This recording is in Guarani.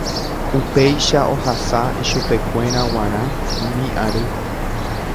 Upéicha ohasa ichupekuéra g̃uarã umi ary.